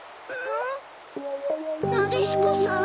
なでしこさん？